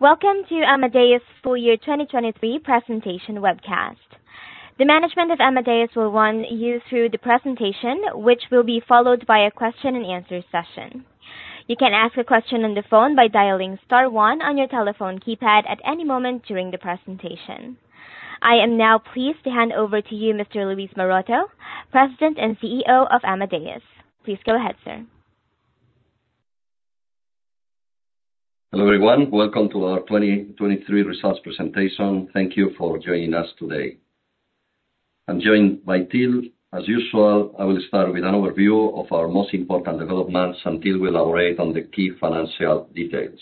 Welcome to Amadeus Full Year 2023 Presentation Webcast. The management of Amadeus will run you through the presentation, which will be followed by a question-and-answer session. You can ask a question on the phone by dialing star 1 on your telephone keypad at any moment during the presentation. I am now pleased to hand over to you, Mr. Luis Maroto, President and CEO of Amadeus. Please go ahead, sir. Hello everyone. Welcome to our 2023 results presentation. Thank you for joining us today. I'm joined by Till. As usual, I will start with an overview of our most important developments, and Till will elaborate on the key financial details.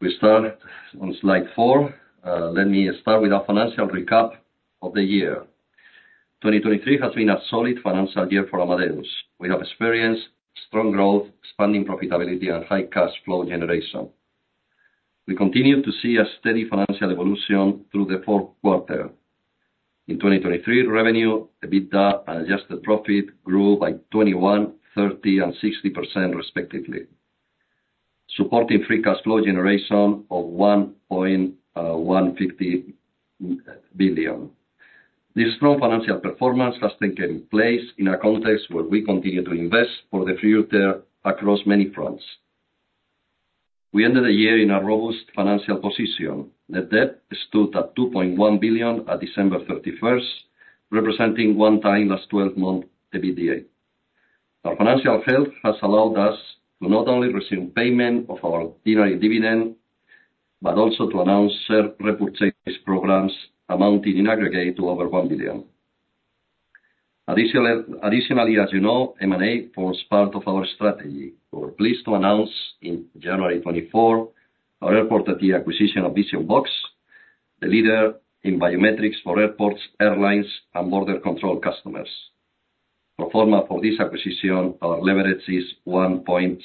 We start on slide 4. Let me start with a financial recap of the year. 2023 has been a solid financial year for Amadeus. We have experienced strong growth, sustained profitability, and high cash flow generation. We continue to see a steady financial evolution through the fourth quarter. In 2023, revenue, EBITDA, and adjusted profit grew by 21%, 30%, and 60%, respectively, supporting free cash flow generation of 1.150 billion. This strong financial performance has taken place in a context where we continue to invest for the future across many fronts. We ended the year in a robust financial position. Net debt stood at 2.1 billion at December 31st, representing one times last 12-month EBITDA. Our financial health has allowed us to not only resume payment of our ordinary dividend but also to announce share repurchase programs amounting in aggregate to over 1 billion. Additionally, as you know, M&A forms part of our strategy. We're pleased to announce, in January 2024, our airport IT acquisition of Vision-Box, the leader in biometrics for airports, airlines, and border control customers. Pro forma for this acquisition, our leverage is 1.16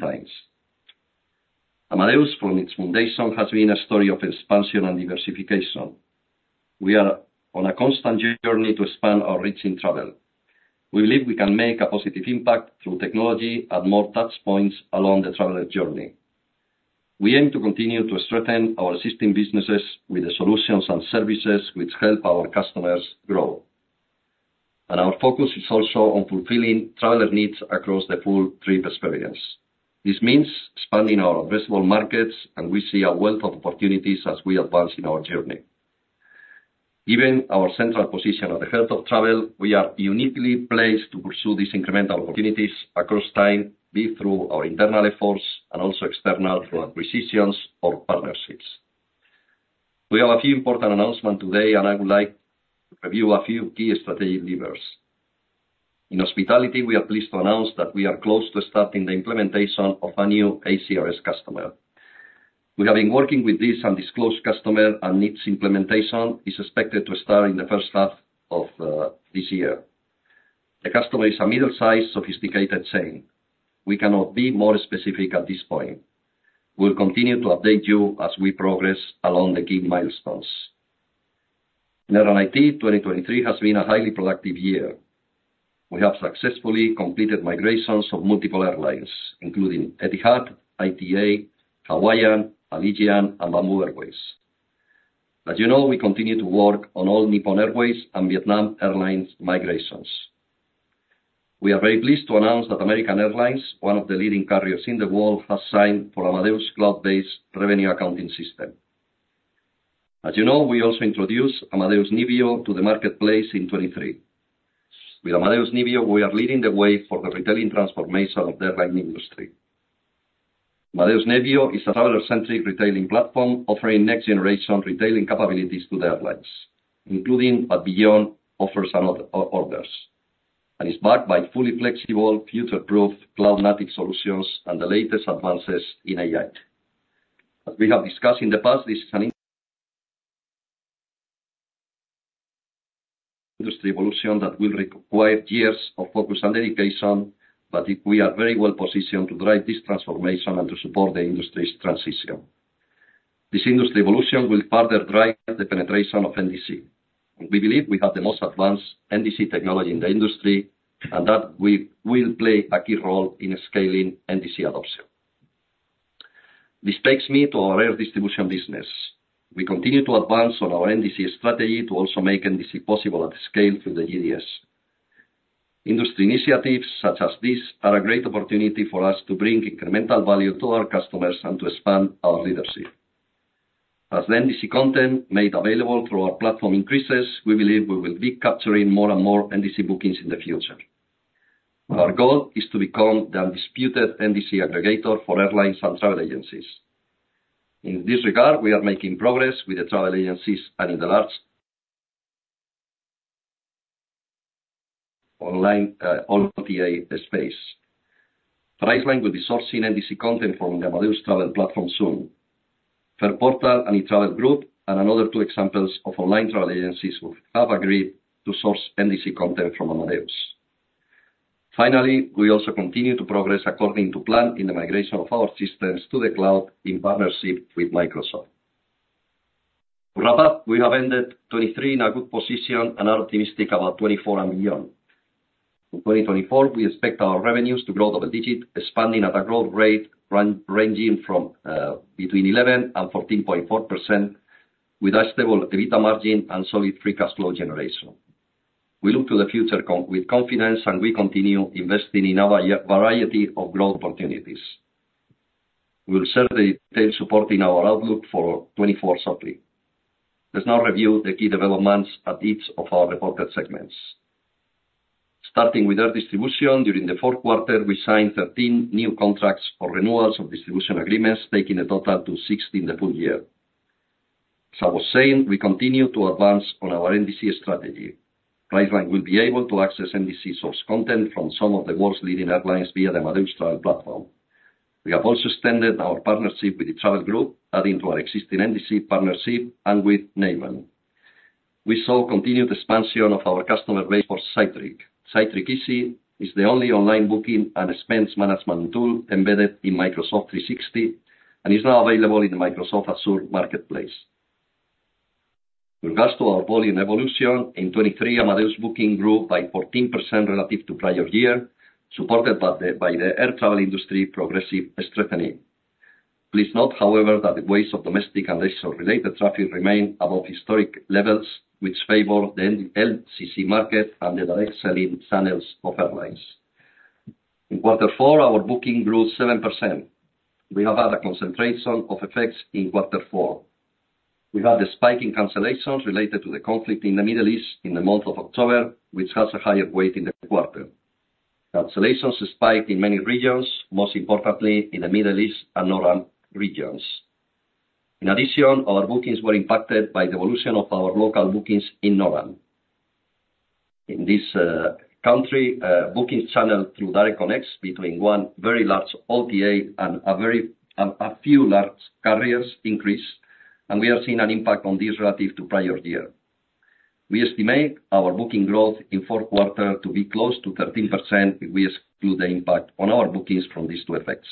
times. Amadeus, from its foundation, has been a story of expansion and diversification. We are on a constant journey to expand our reach in travel. We believe we can make a positive impact through technology at more touchpoints along the traveler journey. We aim to continue to strengthen our existing businesses with the solutions and services which help our customers grow. Our focus is also on fulfilling traveler needs across the full trip experience. This means spanning our addressable markets, and we see a wealth of opportunities as we advance in our journey. Given our central position at the heart of travel, we are uniquely placed to pursue these incremental opportunities across time, be it through our internal efforts and also external through acquisitions or partnerships. We have a few important announcements today, and I would like to review a few key strategic levers. In hospitality, we are pleased to announce that we are close to starting the implementation of a new ACRS customer. We have been working with this undisclosed customer, and its implementation is expected to start in the first half of this year. The customer is a middle-sized, sophisticated chain. We cannot be more specific at this point. We'll continue to update you as we progress along the key milestones. In airline IT, 2023 has been a highly productive year. We have successfully completed migrations of multiple airlines, including Etihad, ITA, Hawaiian, Allegiant, and Bamboo Airways. As you know, we continue to work on All Nippon Airways and Vietnam Airlines migrations. We are very pleased to announce that American Airlines, one of the leading carriers in the world, has signed for Amadeus cloud-based revenue accounting system. As you know, we also introduced Amadeus Nevio to the marketplace in 2023. With Amadeus Nevio, we are leading the way for the retailing transformation of the airline industry. Amadeus Nevio is a traveler-centric retailing platform offering next-generation retailing capabilities to the airlines, including what's beyond offers and orders, and is backed by fully flexible, future-proof cloud-native solutions and the latest advances in AI. As we have discussed in the past, this is an industry evolution that will require years of focus and dedication, but we are very well positioned to drive this transformation and to support the industry's transition. This industry evolution will further drive the penetration of NDC. We believe we have the most advanced NDC technology in the industry, and that will play a key role in scaling NDC adoption. This takes me to our air distribution business. We continue to advance on our NDC strategy to also make NDC possible at scale through the GDS. Industry initiatives such as this are a great opportunity for us to bring incremental value to our customers and to expand our leadership. As the NDC content made available through our platform increases, we believe we will be capturing more and more NDC bookings in the future. Our goal is to become the undisputed NDC aggregator for airlines and travel agencies. In this regard, we are making progress with the travel agencies and in the large online OTA space. Priceline will be sourcing NDC content from the Amadeus Travel Platform soon. Fareportal and eTravel iGroup, and another two examples of online travel agencies, have agreed to source NDC content from Amadeus. Finally, we also continue to progress according to plan in the migration of our systems to the cloud in partnership with Microsoft. To wrap up, we have ended 2023 in a good position and are optimistic about 2024 and beyond. In 2024, we expect our revenues to grow double-digit, expanding at a growth rate ranging between 11%-14.4%, with a stable EBITDA margin and solid free cash flow generation. We look to the future with confidence, and we continue investing in a variety of growth opportunities. We'll share the detailed support in our outlook for 2024 shortly. Let's now review the key developments at each of our reported segments. Starting with Air Distribution, during the fourth quarter, we signed 13 new contracts for renewals of distribution agreements, taking a total to 16 the full year. As I was saying, we continue to advance on our NDC strategy. Priceline will be able to access NDC source content from some of the world's leading airlines via the Amadeus Travel Platform. We have also extended our partnership with eTraveli Group, adding to our existing NDC partnership and with Navan. We saw continued expansion of our customer base for Cytric. Cytric Easy is the only online booking and expense management tool embedded in Microsoft 365 and is now available in the Microsoft Azure marketplace. With regards to our volume evolution, in 2023, Amadeus booking grew by 14% relative to prior year, supported by the air travel industry progressive strengthening. Please note, however, that the weights of domestic and national-related traffic remain above historic levels, which favor the LCC market and the direct selling channels of airlines. In quarter four, our booking grew 7%. We have had a concentration of effects in quarter four. We had the spike in cancellations related to the conflict in the Middle East in the month of October, which has a higher weight in the quarter. Cancellations spiked in many regions, most importantly in the Middle East and Northern regions. In addition, our bookings were impacted by the evolution of our local bookings in Northern. In this country, booking channel through Direct Connects between one very large OTA and a few large carriers increased, and we are seeing an impact on this relative to prior year. We estimate our booking growth in fourth quarter to be close to 13% if we exclude the impact on our bookings from these two effects.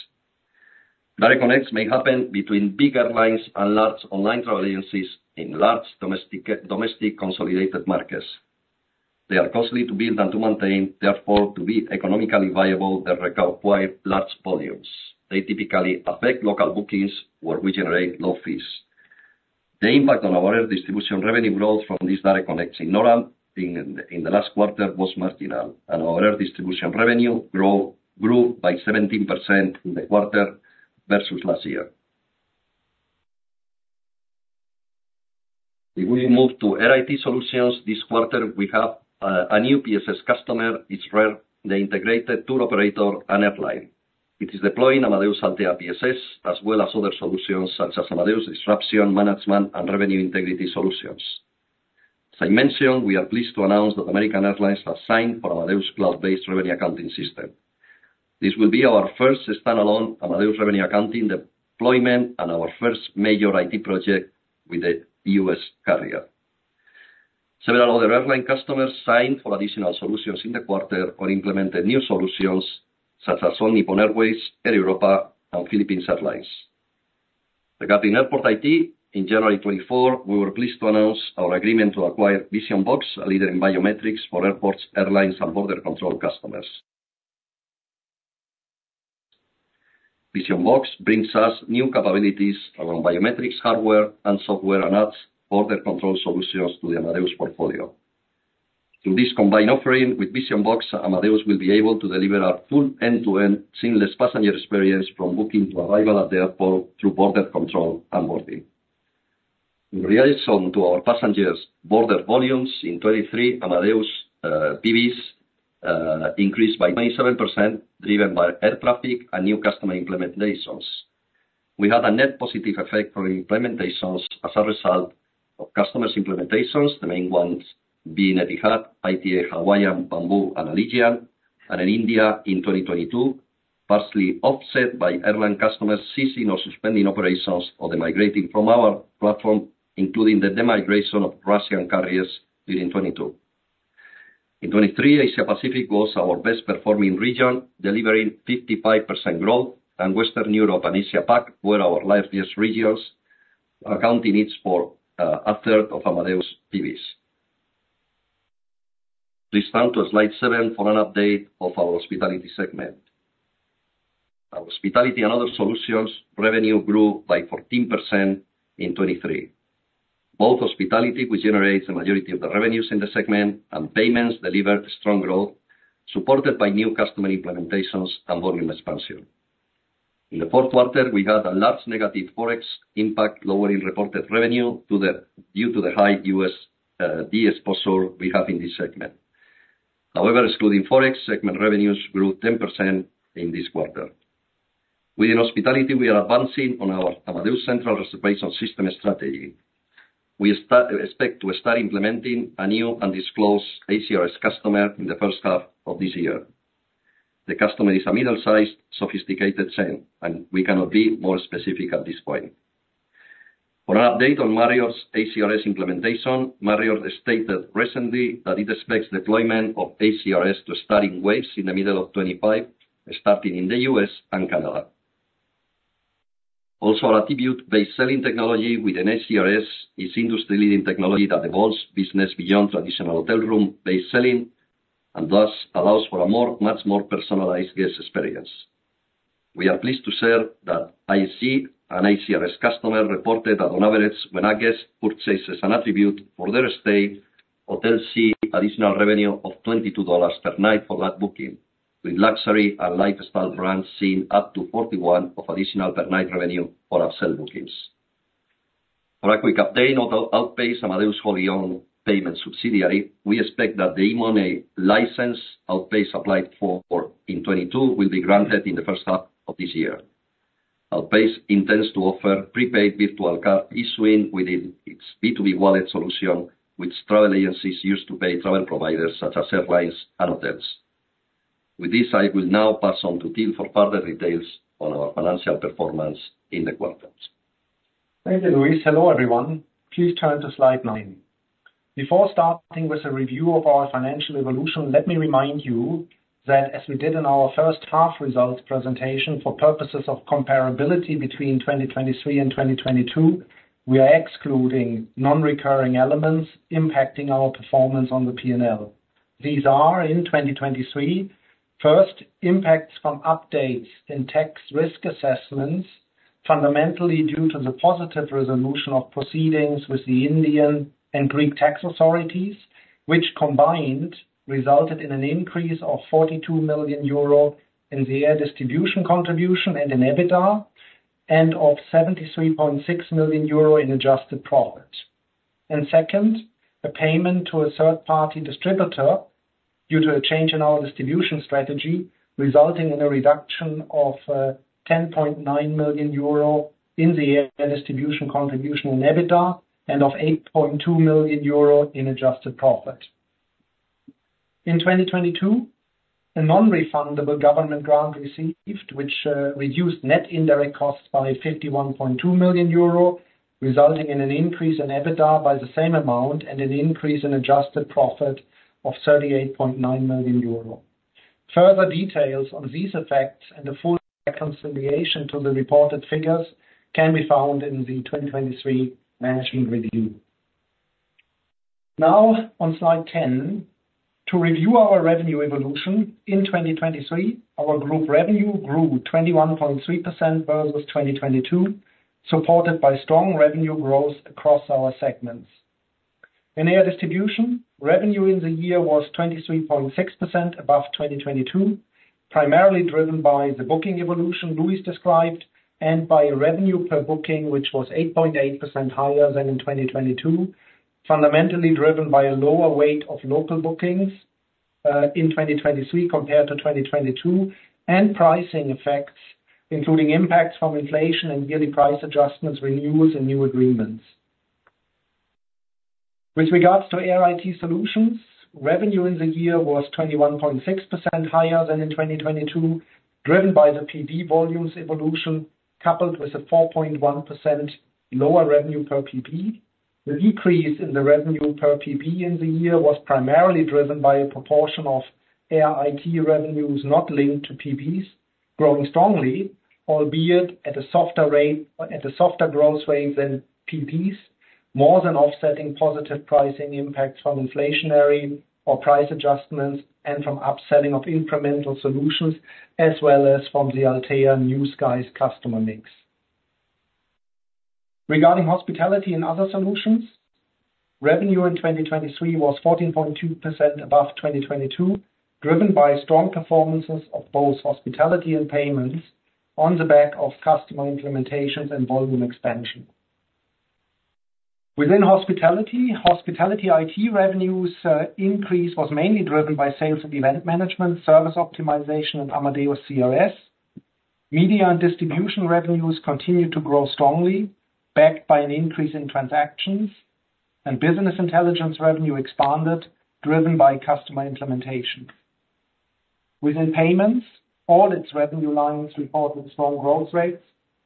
Direct Connects may happen between big airlines and large online travel agencies in large domestic consolidated markets. They are costly to build and to maintain, therefore to be economically viable that require large volumes. They typically affect local bookings where we generate low fees. The impact on our air distribution revenue growth from these Direct Connects in North America in the last quarter was marginal, and our air distribution revenue grew by 17% in the quarter versus last year. If we move to Airline IT Solutions, this quarter we have a new PSS customer, Isrotel, the integrated tour operator and airline. It is deploying Amadeus Altéa PSS as well as other solutions such as Amadeus Disruption Management and Amadeus Revenue Integrity solutions. As I mentioned, we are pleased to announce that American Airlines has signed for Amadeus cloud-based revenue accounting system. This will be our first standalone Amadeus revenue accounting deployment and our first major IT project with the U.S. carrier. Several other airline customers signed for additional solutions in the quarter or implemented new solutions such as All Nippon Airways, Air Europa, and Philippine Airlines. Regarding airport IT, in January 2024, we were pleased to announce our agreement to acquire Vision-Box, a leader in biometrics for airports, airlines, and border control customers. Vision-Box brings us new capabilities around biometrics, hardware, and software and adds border control solutions to the Amadeus portfolio. Through this combined offering with Vision-Box, Amadeus will be able to deliver our full end-to-end seamless passenger experience from booking to arrival at the airport through border control and boarding. In relation to our passengers' border volumes, in 2023, Amadeus PBs increased by 27% driven by air traffic and new customer implementations. We had a net positive effect for implementations as a result of customers' implementations, the main ones being Etihad, ITA, Hawaiian, Bamboo, and Allegiant, and in India in 2022, partially offset by airline customers ceasing or suspending operations or migrating from our platform, including the demigration of Russian carriers during 2022. In 2023, Asia Pacific was our best-performing region, delivering 55% growth, and Western Europe and Asia-Pac were our largest regions, accounting for a third of Amadeus PBs. Please turn to slide 7 for an update of our hospitality segment. Our Hospitality and Other Solutions revenue grew by 14% in 2023. Both hospitality, which generates the majority of the revenues in the segment, and payments delivered strong growth, supported by new customer implementations and volume expansion. In the fourth quarter, we had a large negative forex impact lowering reported revenue due to the high USD exposure we have in this segment. However, excluding forex, segment revenues grew 10% in this quarter. Within hospitality, we are advancing on our Amadeus Central Reservation System strategy. We expect to start implementing a new undisclosed ACRS customer in the first half of this year. The customer is a middle-sized, sophisticated chain, and we cannot be more specific at this point. For an update on Marriott's ACRS implementation, Marriott stated recently that it expects deployment of ACRS to start in waves in the middle of 2025, starting in the US and Canada. Also, our attribute-based selling technology within ACRS is industry-leading technology that evolves business beyond traditional hotel room-based selling and thus allows for a much more personalized guest experience. We are pleased to share that IHG and ACRS customers reported that on average, when a guest purchases an attribute for their stay, hotels see additional revenue of $22 per night for that booking, with luxury and lifestyle brands seeing up to 41% of additional per night revenue for upsell bookings. For a quick update, Outpayce, Amadeus wholly-owned payment subsidiary, we expect that the EMI license Outpayce applied for in 2022 will be granted in the first half of this year. Outpayce intends to offer prepaid virtual card issuing within its B2B Wallet solution, which travel agencies use to pay travel providers such as airlines and hotels. With this, I will now pass on to Till for further details on our financial performance in the quarters. Thank you, Luis. Hello, everyone. Please turn to slide 9. Before starting with a review of our financial evolution, let me remind you that, as we did in our first half results presentation for purposes of comparability between 2023 and 2022, we are excluding non-recurring elements impacting our performance on the P&L. These are, in 2023, first, impacts from updates in tax risk assessments, fundamentally due to the positive resolution of proceedings with the Indian and Greek tax authorities, which combined resulted in an increase of 42 million euro in the air distribution contribution and in EBITDA, and of 73.6 million euro in adjusted profit. And second, a payment to a third-party distributor due to a change in our distribution strategy resulting in a reduction of 10.9 million euro in the air distribution contribution in EBITDA and of 8.2 million euro in adjusted profit. In 2022, a non-refundable government grant received, which reduced net indirect costs by 51.2 million euro, resulting in an increase in EBITDA by the same amount and an increase in adjusted profit of 38.9 million euro. Further details on these effects and the full reconciliation to the reported figures can be found in the 2023 management review. Now, on slide 10, to review our revenue evolution, in 2023, our group revenue grew 21.3% versus 2022, supported by strong revenue growth across our segments. In Air Distribution, revenue in the year was 23.6% above 2022, primarily driven by the booking evolution Luis described and by revenue per booking, which was 8.8% higher than in 2022, fundamentally driven by a lower weight of local bookings in 2023 compared to 2022, and pricing effects, including impacts from inflation and yearly price adjustments, renewals, and new agreements. With regards to Airline IT Solutions, revenue in the year was 21.6% higher than in 2022, driven by the PB volumes evolution coupled with a 4.1% lower revenue per PB. The decrease in the revenue per PB in the year was primarily driven by a proportion of air IT revenues not linked to PBs growing strongly, albeit at a softer rate at a softer growth rate than PBs, more than offsetting positive pricing impacts from inflationary or price adjustments and from upselling of incremental solutions, as well as from the Altéa New Skies customer mix. Regarding hospitality and other solutions, revenue in 2023 was 14.2% above 2022, driven by strong performances of both hospitality and payments on the back of customer implementations and volume expansion. Within hospitality, hospitality IT revenues increase was mainly driven by sales and event management, service optimization, and Amadeus CRS. Media and distribution revenues continued to grow strongly, backed by an increase in transactions, and business intelligence revenue expanded, driven by customer implementation. Within payments, all its revenue lines reported strong growth rates,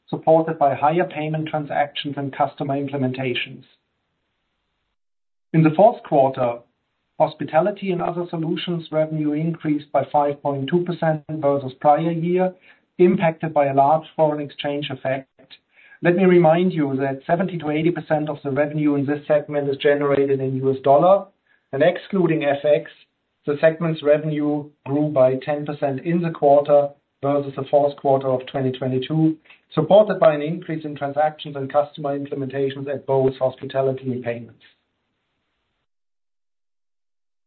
supported by higher payment transactions and customer implementations. In the fourth quarter, hospitality and other solutions revenue increased by 5.2% versus prior year, impacted by a large foreign exchange effect. Let me remind you that 70%-80% of the revenue in this segment is generated in U.S. dollar, and excluding FX, the segment's revenue grew by 10% in the quarter versus the fourth quarter of 2022, supported by an increase in transactions and customer implementations at both hospitality and payments.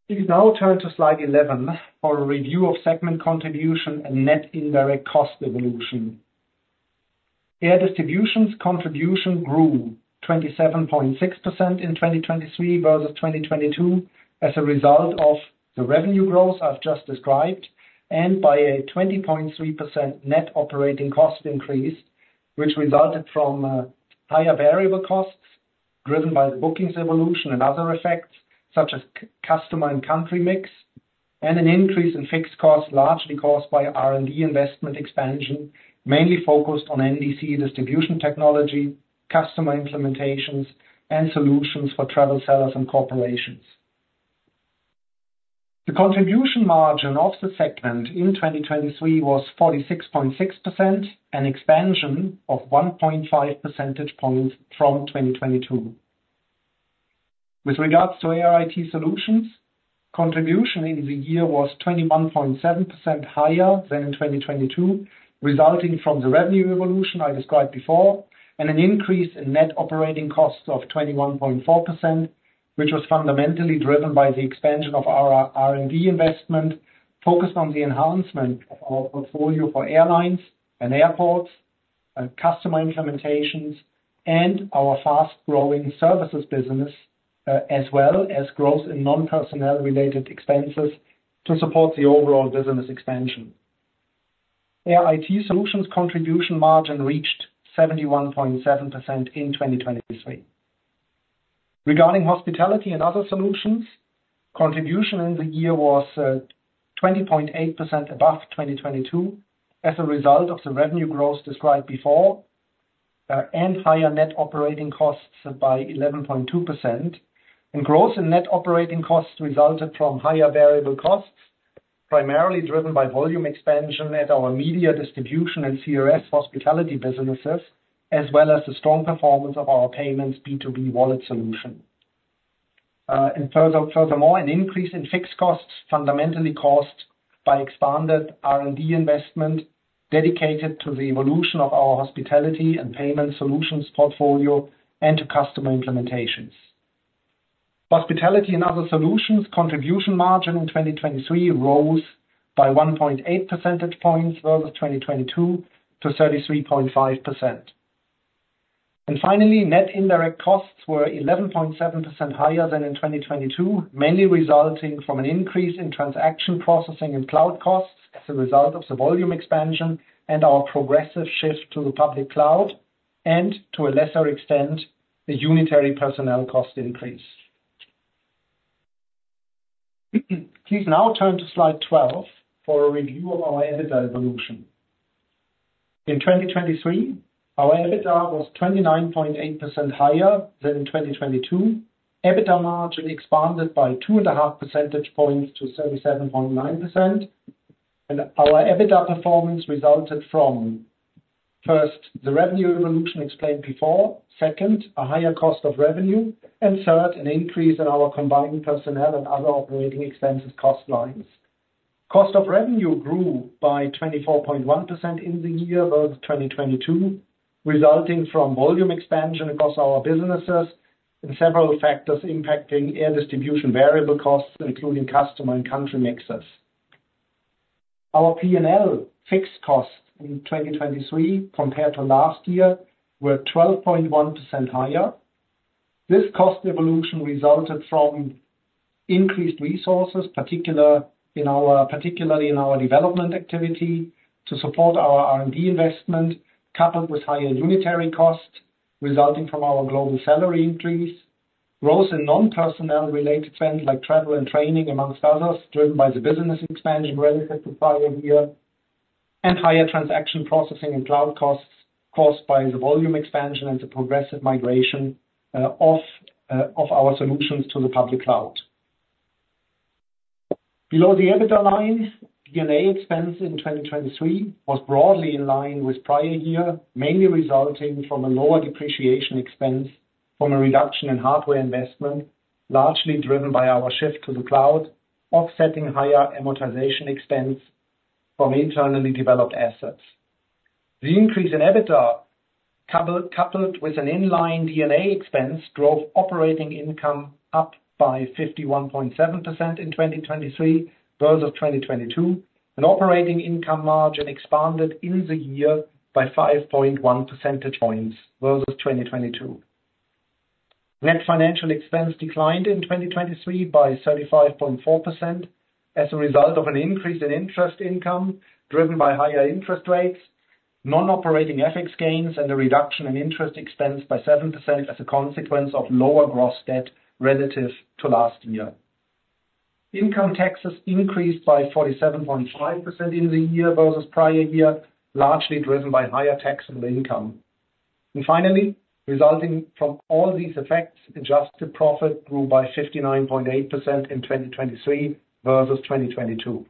Please now turn to slide 11 for a review of segment contribution and net indirect cost evolution. Air Distribution's contribution grew 27.6% in 2023 versus 2022 as a result of the revenue growth I've just described and by a 20.3% net operating cost increase, which resulted from higher variable costs driven by the bookings evolution and other effects such as customer and country mix, and an increase in fixed costs largely caused by R&D investment expansion, mainly focused on NDC distribution technology, customer implementations, and solutions for travel sellers and corporations. The contribution margin of the segment in 2023 was 46.6%, an expansion of 1.5 percentage points from 2022. With regards to Air IT Solutions, contribution in the year was 21.7% higher than in 2022, resulting from the revenue evolution I described before and an increase in net operating costs of 21.4%, which was fundamentally driven by the expansion of our R&D investment focused on the enhancement of our portfolio for airlines and airports, customer implementations, and our fast-growing services business, as well as growth in non-personnel-related expenses to support the overall business expansion. Air IT Solutions contribution margin reached 71.7% in 2023. Regarding Hospitality and Other Solutions, contribution in the year was 20.8% above 2022 as a result of the revenue growth described before and higher net operating costs by 11.2%. Growth in net operating costs resulted from higher variable costs, primarily driven by volume expansion at our media distribution and CRS hospitality businesses, as well as the strong performance of our payments B2B Wallet solution. Furthermore, an increase in fixed costs fundamentally caused by expanded R&D investment dedicated to the evolution of our hospitality and payment solutions portfolio and to customer implementations. Hospitality and Other Solutions contribution margin in 2023 rose by 1.8 percentage points versus 2022 to 33.5%. And finally, net indirect costs were 11.7% higher than in 2022, mainly resulting from an increase in transaction processing and cloud costs as a result of the volume expansion and our progressive shift to the public cloud and, to a lesser extent, the unitary personnel cost increase. Please now turn to slide 12 for a review of our EBITDA evolution. In 2023, our EBITDA was 29.8% higher than in 2022. EBITDA margin expanded by 2.5 percentage points to 37.9%. Our EBITDA performance resulted from, first, the revenue evolution explained before, second, a higher cost of revenue, and third, an increase in our combined personnel and other operating expenses cost lines. Cost of revenue grew by 24.1% in the year versus 2022, resulting from volume expansion across our businesses and several factors impacting air distribution variable costs, including customer and country mixes. Our P&L fixed costs in 2023 compared to last year were 12.1% higher. This cost evolution resulted from increased resources, particularly in our development activity to support our R&D investment, coupled with higher unitary costs resulting from our global salary increase, growth in non-personnel-related spend like travel and training, among others, driven by the business expansion relative to prior year, and higher transaction processing and cloud costs caused by the volume expansion and the progressive migration of our solutions to the public cloud. Below the EBITDA line, D&A expense in 2023 was broadly in line with prior year, mainly resulting from a lower depreciation expense from a reduction in hardware investment, largely driven by our shift to the cloud, offsetting higher amortization expense from internally developed assets. The increase in EBITDA, coupled with an in line D&A expense, drove operating income up by 51.7% in 2023 versus 2022, and operating income margin expanded in the year by 5.1 percentage points versus 2022. Net financial expense declined in 2023 by 35.4% as a result of an increase in interest income driven by higher interest rates, non-operating FX gains, and a reduction in interest expense by 7% as a consequence of lower gross debt relative to last year. Income taxes increased by 47.5% in the year versus prior year, largely driven by higher taxable income. Finally, resulting from all these effects, adjusted profit grew by 59.8% in 2023 versus 2022.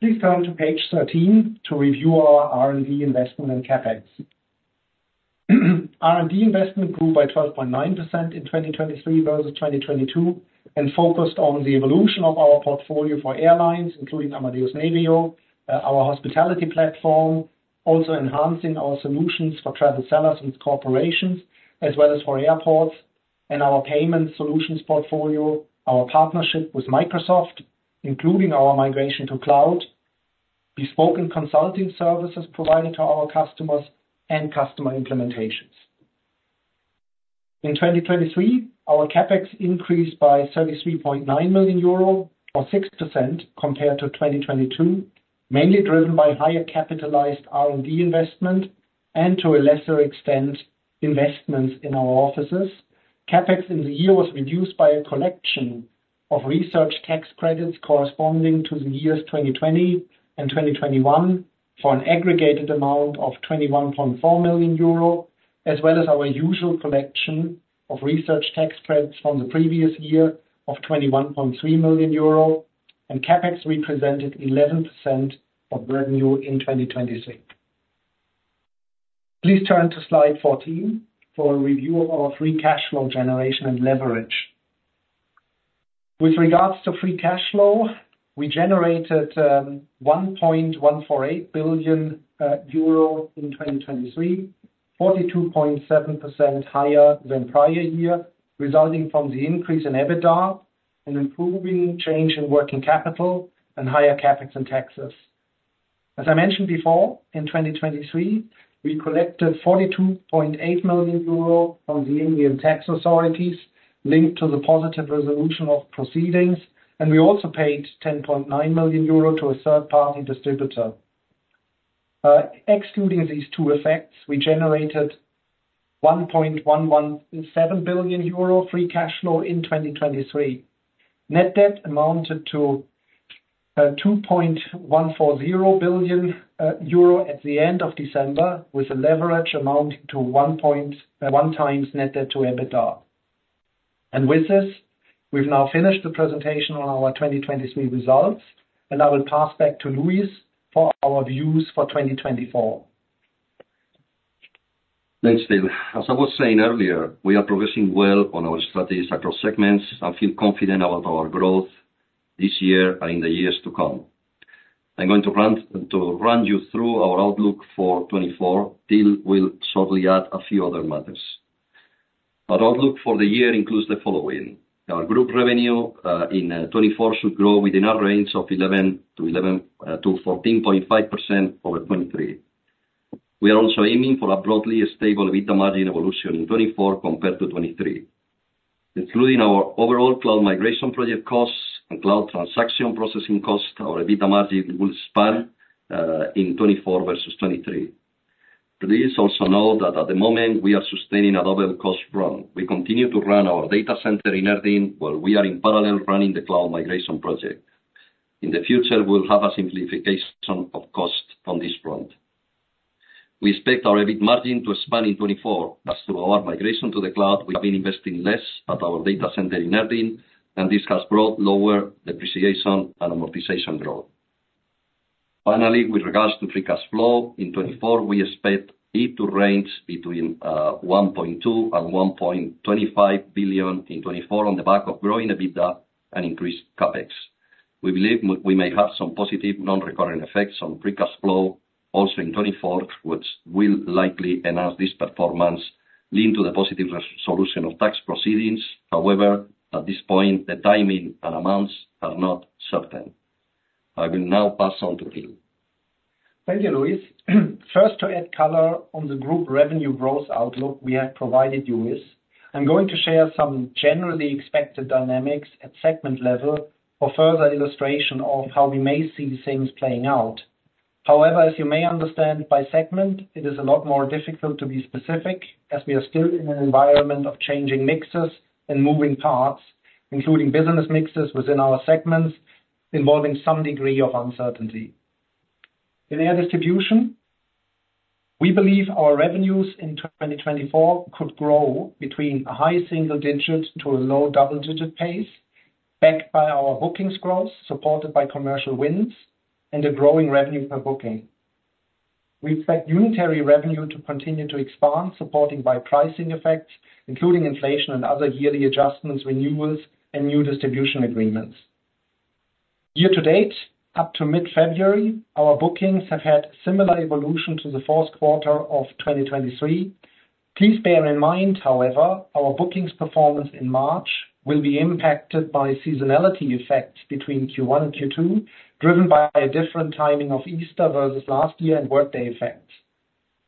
Please turn to page 13 to review our R&D investment and CapEx. R&D investment grew by 12.9% in 2023 versus 2022 and focused on the evolution of our portfolio for airlines, including Amadeus Nevio, our hospitality platform, also enhancing our solutions for travel sellers and corporations, as well as for airports, and our payment solutions portfolio, our partnership with Microsoft, including our migration to cloud, bespoke consulting services provided to our customers, and customer implementations. In 2023, our CapEx increased by 33.9 million euro or 6% compared to 2022, mainly driven by higher capitalized R&D investment and, to a lesser extent, investments in our offices. CapEx in the year was reduced by a collection of research tax credits corresponding to the years 2020 and 2021 for an aggregated amount of 21.4 million euro, as well as our usual collection of research tax credits from the previous year of 21.3 million euro, and CapEx represented 11% of revenue in 2023. Please turn to slide 14 for a review of our free cash flow generation and leverage. With regards to free cash flow, we generated 1.148 billion euro in 2023, 42.7% higher than prior year, resulting from the increase in EBITDA, an improving change in working capital, and higher CapEx and taxes. As I mentioned before, in 2023, we collected 42.8 million euro from the Indian tax authorities linked to the positive resolution of proceedings, and we also paid 10.9 million euro to a third-party distributor. Excluding these two effects, we generated 1.117 billion euro free cash flow in 2023. Net debt amounted to €2.140 billion at the end of December, with a leverage amounting to 1.1 times net debt to EBITDA. With this, we've now finished the presentation on our 2023 results, and I will pass back to Luis for our views for 2024. Thanks, Till. As I was saying earlier, we are progressing well on our strategies across segments and feel confident about our growth this year and in the years to come. I'm going to run you through our outlook for 2024. Till will shortly add a few other matters. Our outlook for the year includes the following. Our group revenue in 2024 should grow within a range of 11%-14.5% over 2023. We are also aiming for a broadly stable EBITDA margin evolution in 2024 compared to 2023. Excluding our overall cloud migration project costs and cloud transaction processing costs, our EBITDA margin will span in 2024 versus 2023. Please also note that at the moment, we are sustaining a double cost run. We continue to run our data center in Erding while we are in parallel running the cloud migration project. In the future, we'll have a simplification of cost on this front. We expect our EBITDA margin to span in 2024 as through our migration to the cloud, we have been investing less at our data center in Erding, and this has brought lower depreciation and amortization growth. Finally, with regards to free cash flow in 2024, we expect it to range between 1.2 billion and 1.25 billion in 2024 on the back of growing EBITDA and increased CapEx. We believe we may have some positive non-recurring effects on free cash flow also in 2024, which will likely enhance this performance, lead to the positive resolution of tax proceedings. However, at this point, the timing and amounts are not certain. I will now pass on to Till. Thank you, Luis. First, to add color on the group revenue growth outlook we have provided you with, I'm going to share some generally expected dynamics at segment level for further illustration of how we may see things playing out. However, as you may understand, by segment, it is a lot more difficult to be specific as we are still in an environment of changing mixes and moving parts, including business mixes within our segments involving some degree of uncertainty. In air distribution, we believe our revenues in 2024 could grow between a high single-digit to a low double-digit pace, backed by our bookings growth supported by commercial wins and a growing revenue per booking. We expect unitary revenue to continue to expand supported by pricing effects, including inflation and other yearly adjustments, renewals, and new distribution agreements. Year to date, up to mid-February, our bookings have had similar evolution to the fourth quarter of 2023. Please bear in mind, however, our bookings performance in March will be impacted by seasonality effects between Q1 and Q2, driven by a different timing of Easter versus last year and workday effects.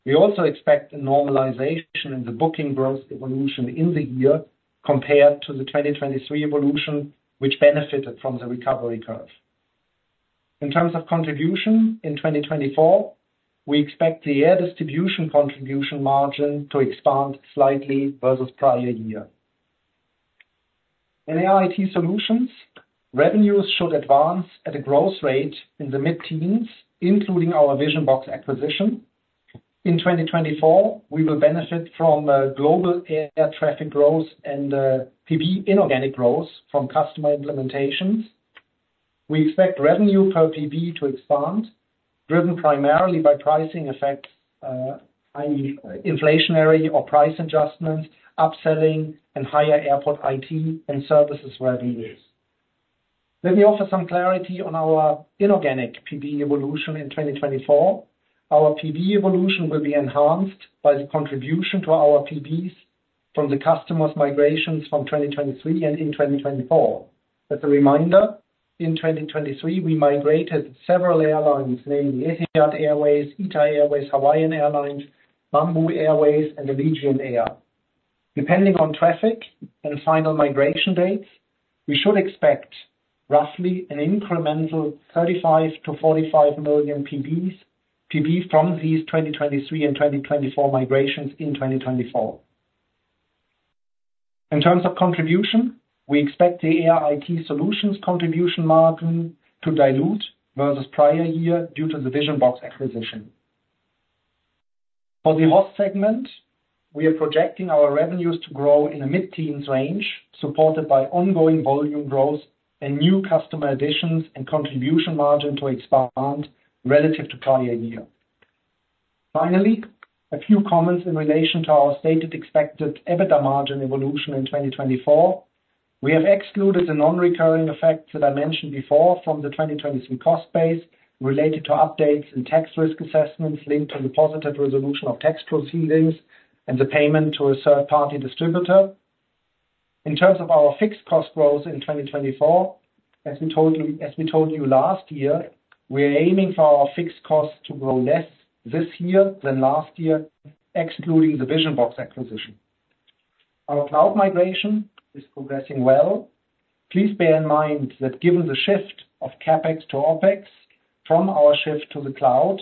We also expect a normalization in the booking growth evolution in the year compared to the 2023 evolution, which benefited from the recovery curve. In terms of contribution in 2024, we expect the air distribution contribution margin to expand slightly versus prior year. In air IT solutions, revenues should advance at a growth rate in the mid-teens, including our Vision-Box acquisition. In 2024, we will benefit from global air traffic growth and PB inorganic growth from customer implementations. We expect revenue per PB to expand, driven primarily by pricing effects, i.e., inflationary or price adjustments, upselling, and higher airport IT and services revenues. Let me offer some clarity on our inorganic PB evolution in 2024. Our PB evolution will be enhanced by the contribution to our PBs from the customers' migrations from 2023 and in 2024. As a reminder, in 2023, we migrated several airlines, namely Etihad Airways, ITA Airways, Hawaiian Airlines, Bamboo Airways, and Allegiant Air. Depending on traffic and final migration dates, we should expect roughly an incremental 35-45 million PBs from these 2023 and 2024 migrations in 2024. In terms of contribution, we expect the Airline IT Solutions contribution margin to dilute versus prior year due to the Vision-Box acquisition. For the host segment, we are projecting our revenues to grow in a mid-teens range supported by ongoing volume growth and new customer additions and contribution margin to expand relative to prior year. Finally, a few comments in relation to our stated expected EBITDA margin evolution in 2024. We have excluded the non-recurring effects that I mentioned before from the 2023 cost base related to updates and tax risk assessments linked to the positive resolution of tax proceedings and the payment to a third-party distributor. In terms of our fixed cost growth in 2024, as we told you last year, we are aiming for our fixed costs to grow less this year than last year, excluding the Vision-Box acquisition. Our cloud migration is progressing well. Please bear in mind that given the shift of CapEx to OpEx from our shift to the cloud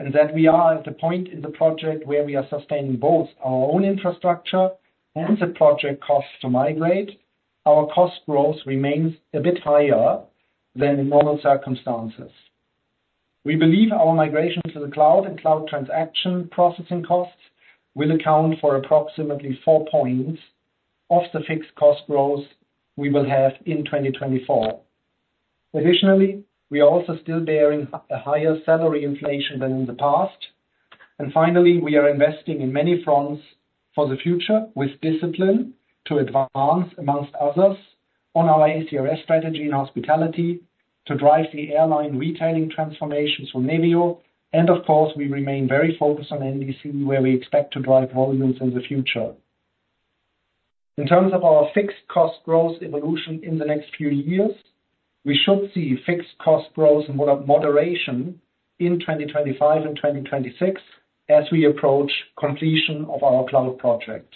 and that we are at a point in the project where we are sustaining both our own infrastructure and the project costs to migrate, our cost growth remains a bit higher than in normal circumstances. We believe our migration to the cloud and cloud transaction processing costs will account for approximately 4 points of the fixed cost growth we will have in 2024. Additionally, we are also still bearing a higher salary inflation than in the past. Finally, we are investing on many fronts for the future with discipline to advance, among others, on our ACRS strategy in hospitality to drive the airline retailing transformations from Nevio. Of course, we remain very focused on NDC, where we expect to drive volumes in the future. In terms of our fixed cost growth evolution in the next few years, we should see fixed cost growth in moderation in 2025 and 2026 as we approach completion of our cloud project.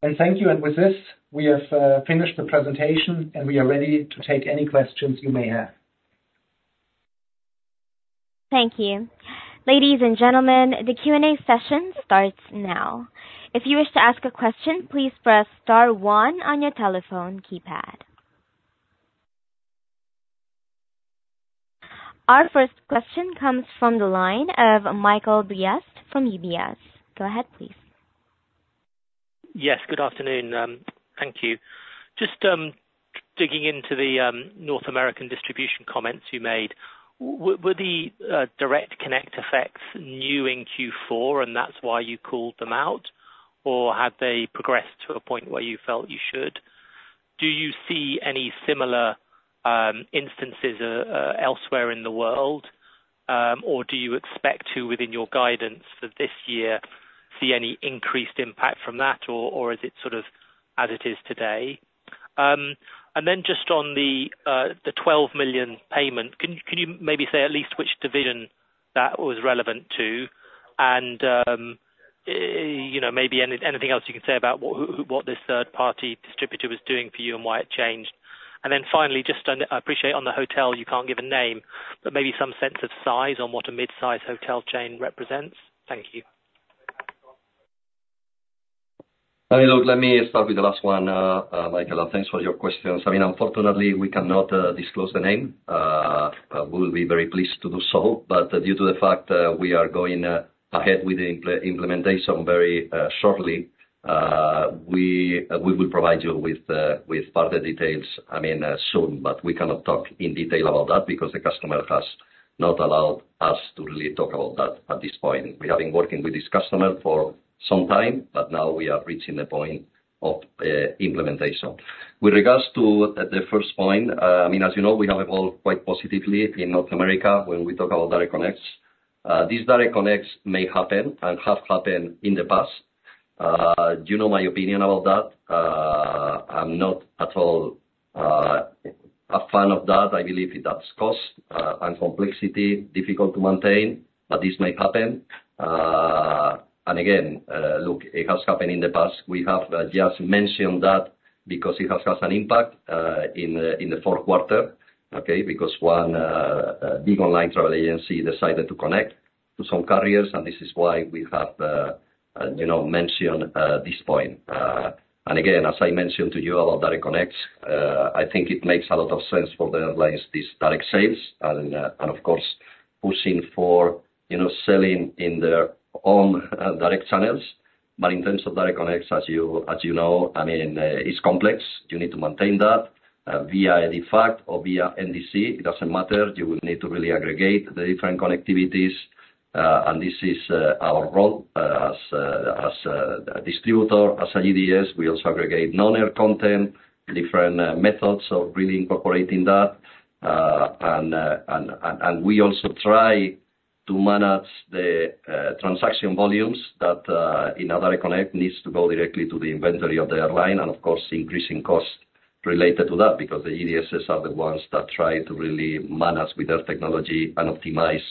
Thank you. With this, we have finished the presentation, and we are ready to take any questions you may have. Thank you. Ladies and gentlemen, the Q&A session starts now. If you wish to ask a question, please press star one on your telephone keypad. Our first question comes from the line of Michael Briest from UBS. Go ahead, please. Yes. Good afternoon. Thank you. Just digging into the North American distribution comments you made. Were the direct connect effects new in Q4, and that's why you called them out, or had they progressed to a point where you felt you should? Do you see any similar instances elsewhere in the world, or do you expect to, within your guidance for this year, see any increased impact from that, or is it sort of as it is today? And then just on the 12 million payment, can you maybe say at least which division that was relevant to and maybe anything else you can say about what this third-party distributor was doing for you and why it changed? And then finally, I appreciate on the hotel, you can't give a name, but maybe some sense of size on what a midsize hotel chain represents. Thank you. Let me start with the last one, Michael. Thanks for your questions. I mean, unfortunately, we cannot disclose the name. We'll be very pleased to do so. But due to the fact we are going ahead with the implementation very shortly, we will provide you with part of the details, I mean, soon. But we cannot talk in detail about that because the customer has not allowed us to really talk about that at this point. We have been working with this customer for some time, but now we are reaching the point of implementation. With regards to the first point, I mean, as you know, we have evolved quite positively in North America when we talk about direct connects. These direct connects may happen and have happened in the past. Do you know my opinion about that? I'm not at all a fan of that. I believe that's cost and complexity, difficult to maintain, but this may happen. Again, look, it has happened in the past. We have just mentioned that because it has had an impact in the fourth quarter, okay, because one big online travel agency decided to connect to some carriers. This is why we have mentioned this point. Again, as I mentioned to you about Direct Connect, I think it makes a lot of sense for the airlines, these direct sales, and of course, pushing for selling in their own direct channels. But in terms of Direct Connect, as you know, I mean, it's complex. You need to maintain that via EDIFACT or via NDC. It doesn't matter. You will need to really aggregate the different connectivities. This is our role as a distributor, as a GDS. We also aggregate non-air content, different methods of really incorporating that. And we also try to manage the transaction volumes that NDC connect needs to go directly to the inventory of the airline and, of course, increasing costs related to that because the GDSs are the ones that try to really manage with their technology and optimize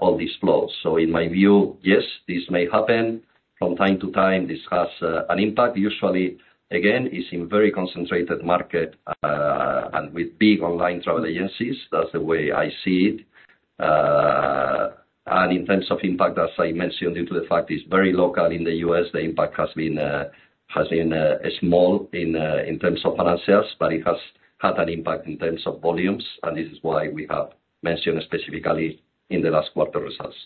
all these flows. So in my view, yes, this may happen. From time to time, this has an impact. Usually, again, it's in very concentrated market and with big online travel agencies. That's the way I see it. And in terms of impact, as I mentioned, due to the fact it's very local in the U.S., the impact has been small in terms of financials, but it has had an impact in terms of volumes. And this is why we have mentioned specifically in the last quarter results.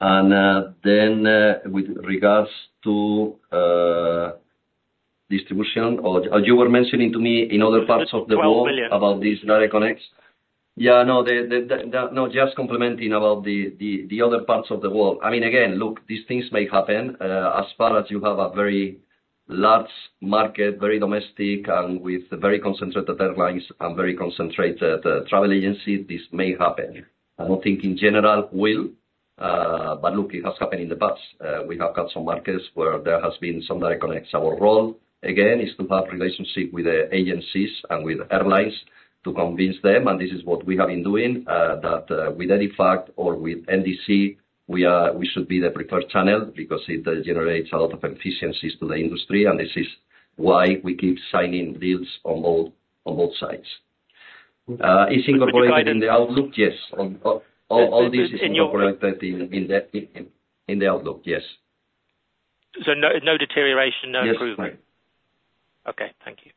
And then with regards to distribution, you were mentioning to me in other parts of the world about these Direct Connects. Yeah. No. Just commenting about the other parts of the world. I mean, again, look, these things may happen. As far as you have a very large market, very domestic, and with very concentrated airlines and very concentrated travel agencies, this may happen. I don't think in general will. But look, it has happened in the past. We have had some markets where there has been some Direct Connects. Our role, again, is to have relationship with the agencies and with airlines to convince them. And this is what we have been doing, that with EDIFACT or with NDC, we should be the preferred channel because it generates a lot of efficiencies to the industry. And this is why we keep signing deals on both sides. It's incorporated in the outlook? Yes. All this is incorporated in the outlook. Yes. So no deterioration, no improvement? Yes. Okay. Thank you.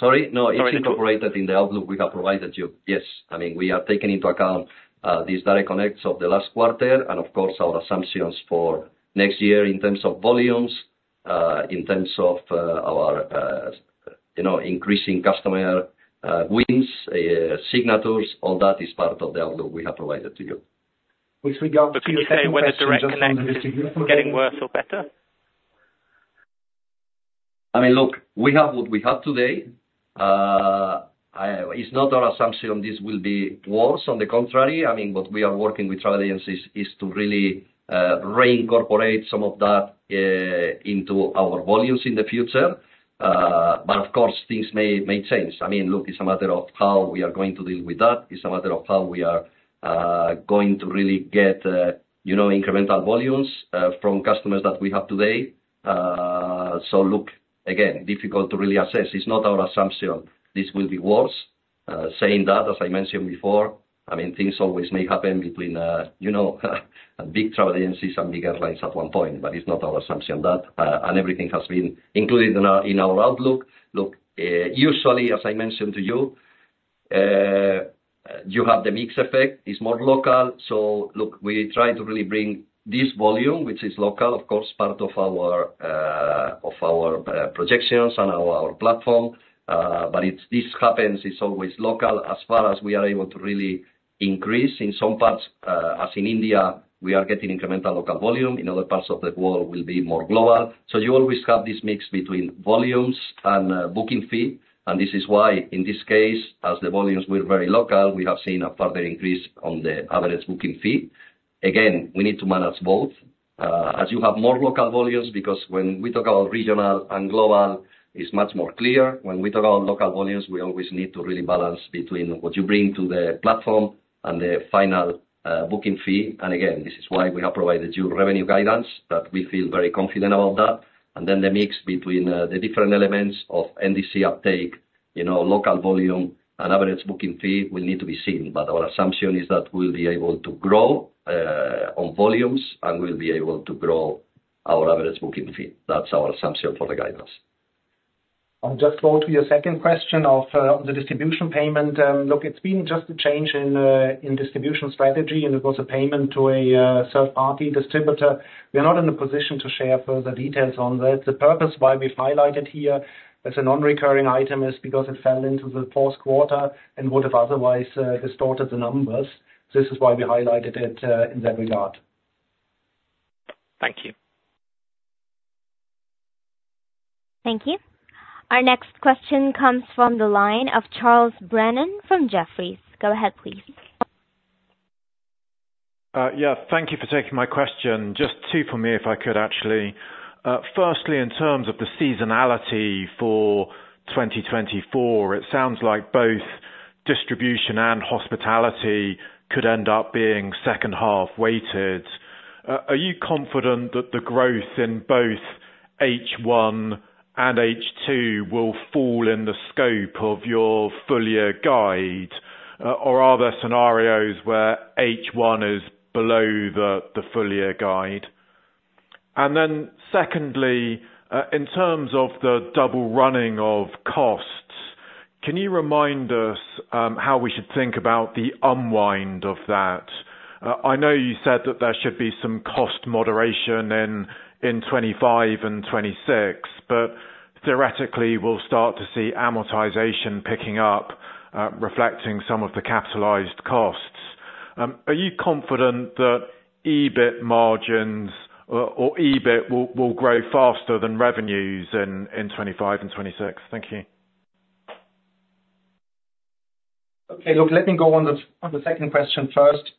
Sorry. No. It's incorporated in the outlook we have provided you. Yes. I mean, we are taking into account these Direct Connects of the last quarter and, of course, our assumptions for next year in terms of volumes, in terms of our increasing customer wins, signatures, all that is part of the outlook we have provided to you. Can you say whether Direct Connects are getting worse or better? I mean, look, we have what we have today. It's not our assumption this will be worse. On the contrary, I mean, what we are working with travel agencies is to really reincorporate some of that into our volumes in the future. But of course, things may change. I mean, look, it's a matter of how we are going to deal with that. It's a matter of how we are going to really get incremental volumes from customers that we have today. So look, again, difficult to really assess. It's not our assumption this will be worse. Saying that, as I mentioned before, I mean, things always may happen between big travel agencies and big airlines at one point, but it's not our assumption that. And everything has been included in our outlook. Look, usually, as I mentioned to you, you have the mix effect. It's more local. So look, we try to really bring this volume, which is local, of course, part of our projections and our platform. But this happens. It's always local as far as we are able to really increase. In some parts, as in India, we are getting incremental local volume. In other parts of the world, it will be more global. So you always have this mix between volumes and booking fee. And this is why, in this case, as the volumes were very local, we have seen a further increase on the average booking fee. Again, we need to manage both. As you have more local volumes because when we talk about regional and global, it's much more clear. When we talk about local volumes, we always need to really balance between what you bring to the platform and the final booking fee. And again, this is why we have provided you revenue guidance that we feel very confident about that. And then the mix between the different elements of NDC uptake, local volume, and average booking fee will need to be seen. But our assumption is that we'll be able to grow on volumes, and we'll be able to grow our average booking fee. That's our assumption for the guidance. I'll just go to your second question on the distribution payment. Look, it's been just a change in distribution strategy, and it was a payment to a third-party distributor. We are not in a position to share further details on that. The purpose why we've highlighted here as a non-recurring item is because it fell into the fourth quarter and would have otherwise distorted the numbers. This is why we highlighted it in that regard. Thank you. Thank you. Our next question comes from the line of Charles Brennan from Jefferies. Go ahead, please. Yes. Thank you for taking my question. Just two for me, if I could, actually. Firstly, in terms of the seasonality for 2024, it sounds like both distribution and hospitality could end up being second-half weighted. Are you confident that the growth in both H1 and H2 will fall in the scope of your full-year guide, or are there scenarios where H1 is below the full-year guide? And then secondly, in terms of the double-running of costs, can you remind us how we should think about the unwind of that? I know you said that there should be some cost moderation in 2025 and 2026, but theoretically, we'll start to see amortization picking up, reflecting some of the capitalized costs. Are you confident that EBIT margins or EBIT will grow faster than revenues in 2025 and 2026? Thank you. Okay. Look, let me go on the second question first.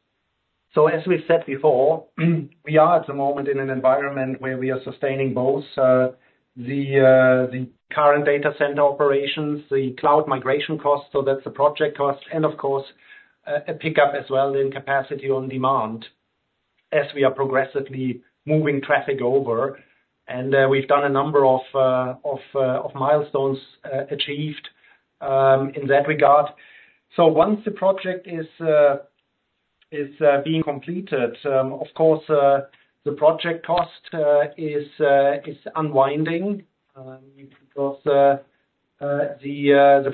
So as we said before, we are at the moment in an environment where we are sustaining both the current data center operations, the cloud migration cost, so that's the project cost, and of course, a pickup as well in capacity on demand as we are progressively moving traffic over. And we've done a number of milestones achieved in that regard. So once the project is being completed, of course, the project cost is unwinding because the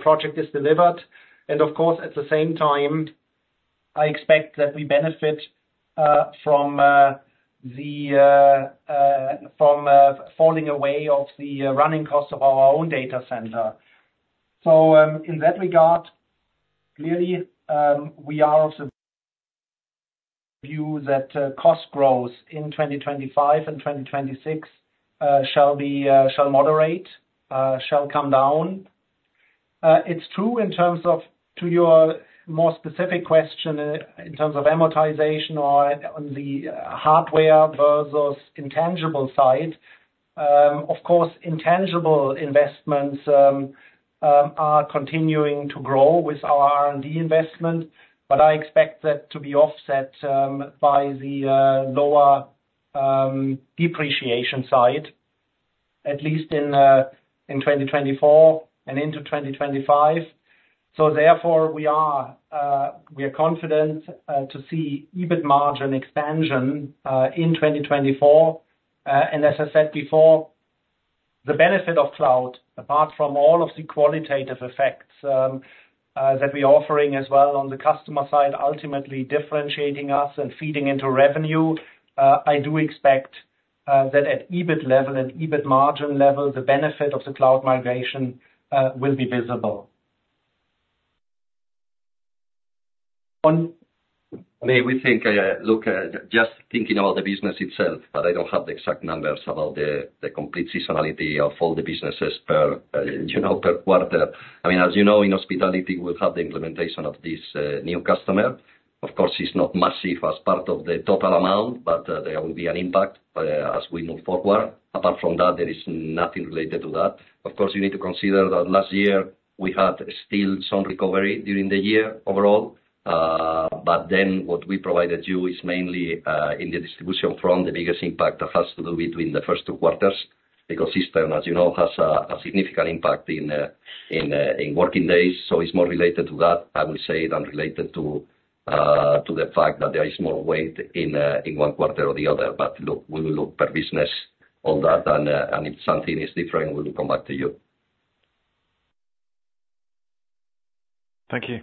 project is delivered. And of course, at the same time, I expect that we benefit from falling away of the running cost of our own data center. So in that regard, clearly, we are of the view that cost growth in 2025 and 2026 shall moderate, shall come down. It's true in terms of to your more specific question in terms of amortization or on the hardware versus intangible side. Of course, intangible investments are continuing to grow with our R&D investment, but I expect that to be offset by the lower depreciation side, at least in 2024 and into 2025. So therefore, we are confident to see EBIT margin expansion in 2024. And as I said before, the benefit of cloud, apart from all of the qualitative effects that we are offering as well on the customer side, ultimately differentiating us and feeding into revenue, I do expect that at EBIT level and EBIT margin level, the benefit of the cloud migration will be visible. I mean, we think, look, just thinking about the business itself, but I don't have the exact numbers about the complete seasonality of all the businesses per quarter. I mean, as you know, in hospitality, we'll have the implementation of this new customer. Of course, it's not massive as part of the total amount, but there will be an impact as we move forward. Apart from that, there is nothing related to that. Of course, you need to consider that last year, we had still some recovery during the year overall. But then what we provided you is mainly in the distribution front, the biggest impact that has to do between the first two quarters because Easter, as you know, has a significant impact in working days. So it's more related to that, I will say, than related to the fact that there is more weight in one quarter or the other. But look, we will look per business, all that. And if something is different, we will come back to you. Thank you.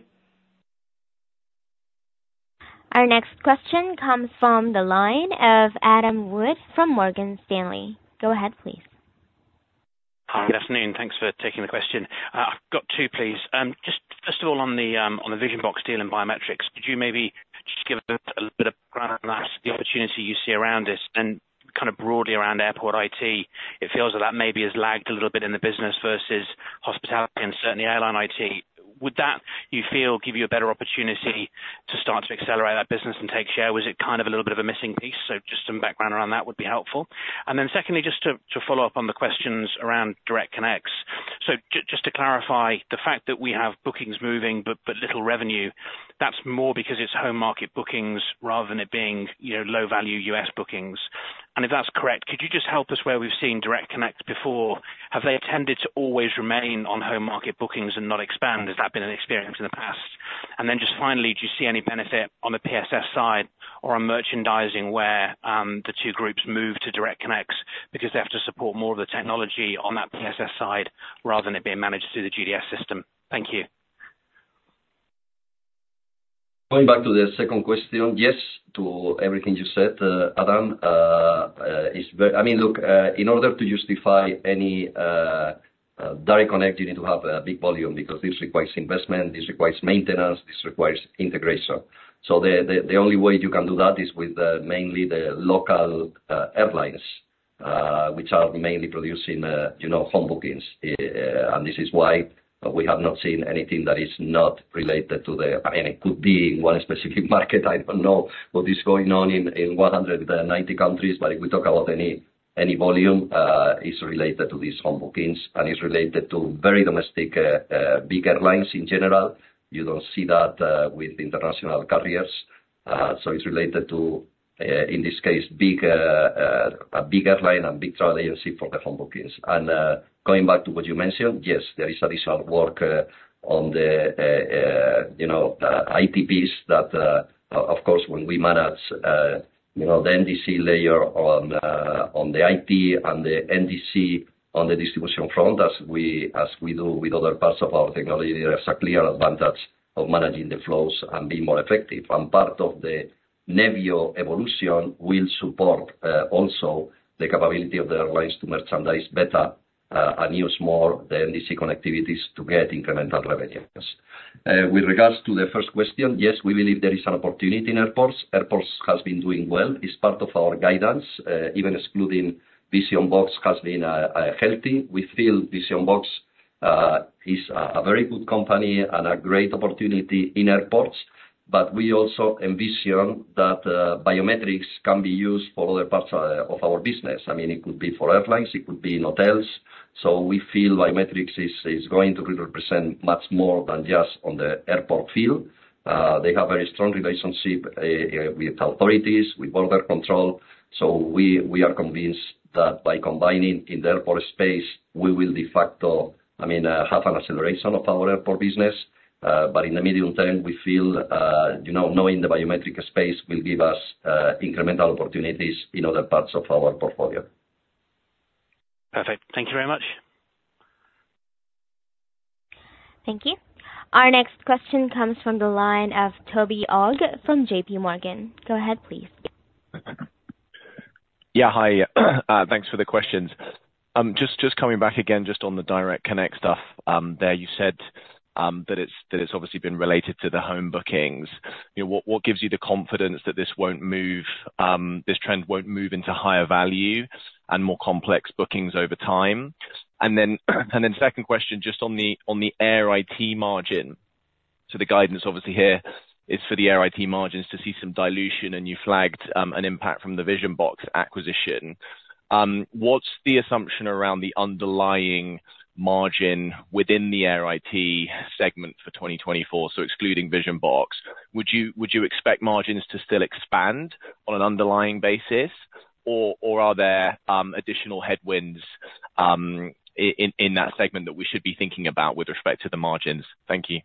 Our next question comes from the line of Adam Wood from Morgan Stanley. Go ahead, please. Good afternoon. Thanks for taking the question. I've got two, please. Just first of all, on the Vision-Box deal in biometrics, could you maybe just give us a little bit of background on that, the opportunity you see around this, and then kind of broadly around airport IT? It feels that that maybe has lagged a little bit in the business versus hospitality and certainly airline IT. Would that, you feel, give you a better opportunity to start to accelerate that business and take share? Was it kind of a little bit of a missing piece? So just some background around that would be helpful. And then secondly, just to follow up on the questions around Direct Connects. So just to clarify, the fact that we have bookings moving but little revenue, that's more because it's home market bookings rather than it being low-value US bookings. And if that's correct, could you just help us where we've seen direct connects before? Have they tended to always remain on home market bookings and not expand? Has that been an experience in the past? And then just finally, do you see any benefit on the PSS side or on merchandising where the two groups move to direct connects because they have to support more of the technology on that PSS side rather than it being managed through the GDS system? Thank you. Going back to the second question, yes, to everything you said, Adam, is very. I mean, look, in order to justify any direct connect, you need to have a big volume because this requires investment. This requires maintenance. This requires integration. So the only way you can do that is with mainly the local airlines, which are mainly producing home bookings. And this is why we have not seen anything that is not related to the—I mean, it could be in one specific market. I don't know what is going on in 190 countries. But if we talk about any volume, it's related to these home bookings and it's related to very domestic, big airlines in general. You don't see that with international carriers. So it's related to, in this case, a big airline and big travel agency for the home bookings. And going back to what you mentioned, yes, there is additional work on the IT piece that, of course, when we manage the NDC layer on the IT and the NDC on the distribution front, as we do with other parts of our technology, there's a clear advantage of managing the flows and being more effective. Part of the Nevio evolution will support also the capability of the airlines to merchandise better and use more the NDC connectivities to get incremental revenues. With regards to the first question, yes, we believe there is an opportunity in airports. Airports have been doing well. It's part of our guidance. Even excluding Vision-Box, it has been healthy. We feel Vision-Box is a very good company and a great opportunity in airports. But we also envision that biometrics can be used for other parts of our business. I mean, it could be for airlines. It could be in hotels. So we feel biometrics is going to represent much more than just on the airport field. They have a very strong relationship with authorities, with border control. So we are convinced that by combining in the airport space, we will de facto, I mean, have an acceleration of our airport business. But in the medium term, we feel knowing the biometric space will give us incremental opportunities in other parts of our portfolio. Perfect. Thank you very much. Thank you. Our next question comes from the line of Toby Ogg from JP Morgan. Go ahead, please. Yeah. Hi. Thanks for the questions. Just coming back again, just on the direct connect stuff there, you said that it's obviously been related to the Lufthansa bookings. What gives you the confidence that this trend won't move into higher value and more complex bookings over time? And then second question, just on the airline IT margin. So the guidance, obviously, here is for the airline IT margins to see some dilution, and you flagged an impact from the Vision-Box acquisition. What's the assumption around the underlying margin within the air IT segment for 2024? So excluding Vision-Box, would you expect margins to still expand on an underlying basis, or are there additional headwinds in that segment that we should be thinking about with respect to the margins? Thank you.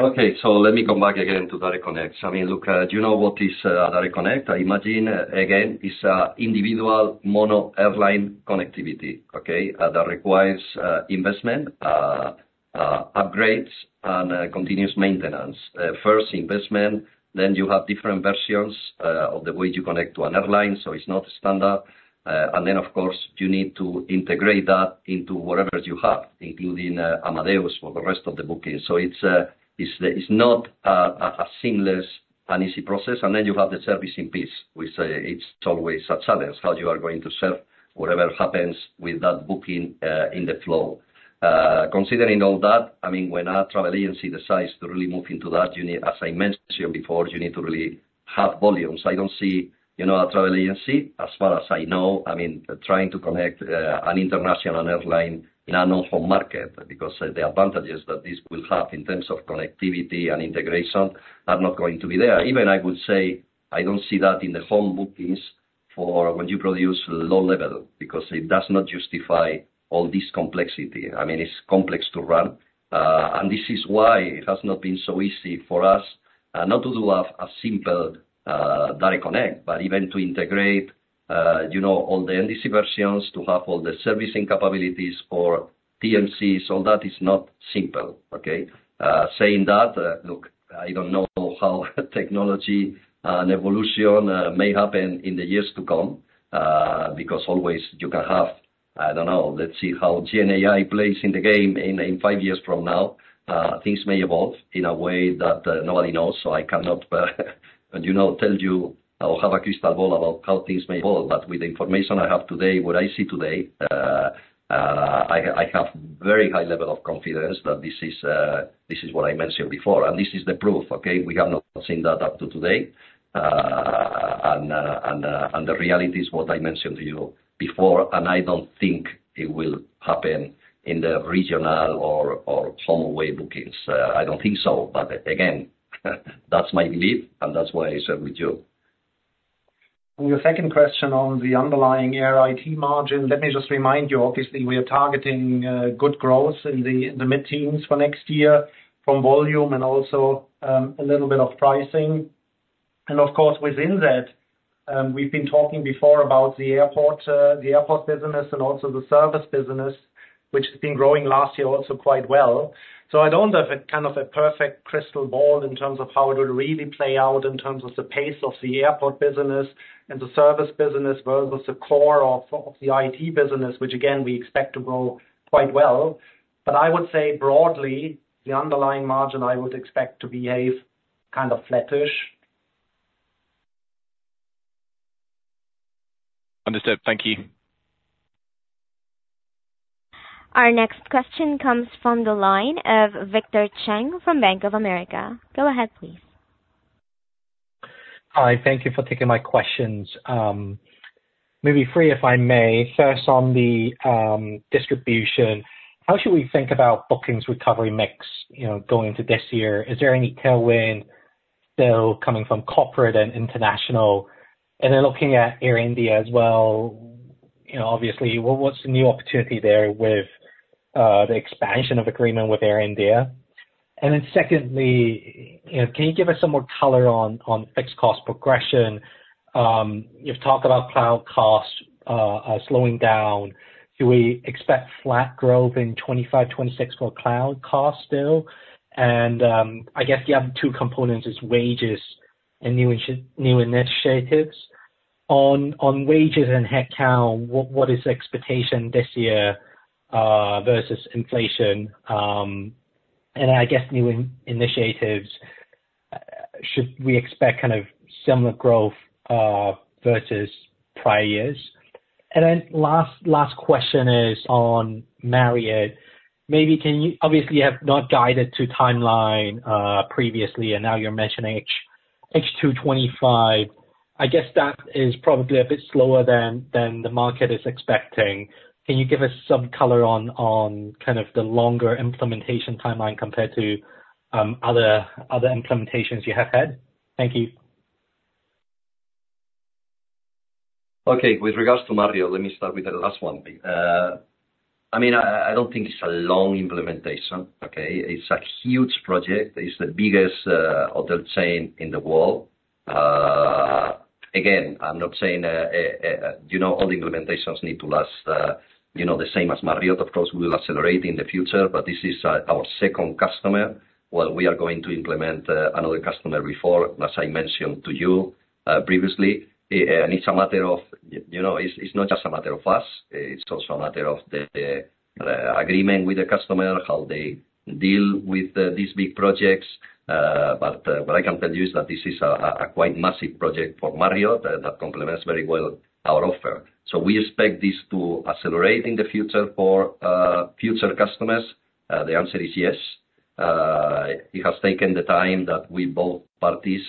Okay. So let me come back again to Direct Connect. I mean, look, do you know what is Direct Connect? I imagine, again, it's individual mono airline connectivity, okay, that requires investment, upgrades, and continuous maintenance. First, investment. Then you have different versions of the way you connect to an airline. So it's not standard. And then, of course, you need to integrate that into whatever you have, including Amadeus for the rest of the bookings. So it's not a seamless and easy process. And then you have the servicing piece, which it's always a challenge, how you are going to serve whatever happens with that booking in the flow. Considering all that, I mean, when a travel agency decides to really move into that, as I mentioned before, you need to really have volumes. I don't see a travel agency, as far as I know, I mean, trying to connect an international airline in unknown home market because the advantages that this will have in terms of connectivity and integration are not going to be there. Even I would say I don't see that in the home bookings for when you produce low-level because it does not justify all this complexity. I mean, it's complex to run. This is why it has not been so easy for us not to do a simple direct connect, but even to integrate all the NDC versions, to have all the servicing capabilities for TMCs, all that is not simple, okay? Saying that, look, I don't know how technology and evolution may happen in the years to come because always you can have I don't know. Let's see how Gen AI plays in the game in five years from now. Things may evolve in a way that nobody knows. So I cannot tell you or have a crystal ball about how things may evolve. But with the information I have today, what I see today, I have very high level of confidence that this is what I mentioned before. And this is the proof, okay? We have not seen that up to today. The reality is what I mentioned to you before. I don't think it will happen in the regional or home-away bookings. I don't think so. But again, that's my belief, and that's why I share with you. Your second question on the underlying air IT margin, let me just remind you, obviously, we are targeting good growth in the mid-teens for next year from volume and also a little bit of pricing. And of course, within that, we've been talking before about the airport business and also the service business, which has been growing last year also quite well. So I don't have kind of a perfect crystal ball in terms of how it will really play out in terms of the pace of the airport business and the service business versus the core of the IT business, which, again, we expect to grow quite well. But I would say broadly, the underlying margin, I would expect to behave kind of flattish. Understood. Thank you. Our next question comes from the line of Victor Cheng from Bank of America. Go ahead, please. Hi. Thank you for taking my questions. Maybe three, if I may. First, on the distribution, how should we think about bookings recovery mix going into this year? Is there any tailwind still coming from corporate and international? And then looking at Air India as well, obviously, what's the new opportunity there with the expansion of agreement with Air India? And then secondly, can you give us some more color on fixed cost progression? You've talked about cloud cost slowing down. Do we expect flat growth in 2025, 2026 for cloud cost still? And I guess the other two components is wages and new initiatives. On wages and headcount, what is the expectation this year versus inflation? And I guess new initiatives, should we expect kind of similar growth versus prior years? And then last question is on Marriott. Obviously, you have not guided to timeline previously, and now you're mentioning H2 2025. I guess that is probably a bit slower than the market is expecting. Can you give us some color on kind of the longer implementation timeline compared to other implementations you have had? Thank you. Okay. With regards to Marriott, let me start with the last one. I mean, I don't think it's a long implementation, okay? It's a huge project. It's the biggest hotel chain in the world. Again, I'm not saying all the implementations need to last the same as Marriott. Of course, we will accelerate in the future, but this is our second customer. Well, we are going to implement another customer before, as I mentioned to you previously. And it's a matter of, it's not just a matter of us. It's also a matter of the agreement with the customer, how they deal with these big projects. But what I can tell you is that this is a quite massive project for Marriott that complements very well our offer. So we expect this to accelerate in the future for future customers. The answer is yes. It has taken the time that we both parties